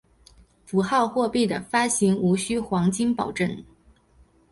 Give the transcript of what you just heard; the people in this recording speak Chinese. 符号货币的发行无须黄金保证。